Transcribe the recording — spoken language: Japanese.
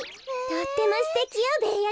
とってもすてきよベーヤ